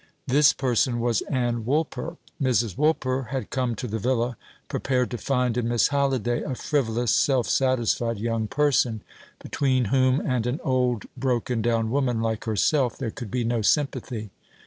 This person was Ann Woolper. Mrs. Woolper had come to the villa prepared to find in Miss Halliday a frivolous self satisfied young person, between whom and an old broken down woman like herself there could be no sympathy.